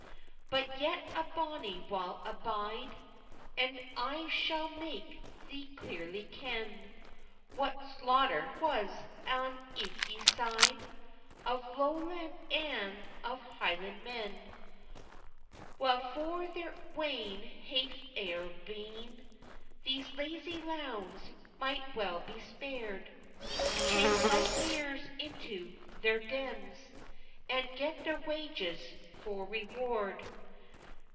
But yet a bonnie while abide, And I sall mak thee cleirly ken What slaughter was on ilkay syde, Of Lowland and of Highland men, Wha for thair awin haif evir bene; These lazie lowns micht weil be spared, Chased like deers into their dens, And gat their wages for reward.